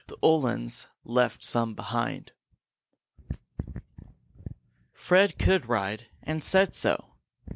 The Uhlans left some behind!" Fred could ride, and said so.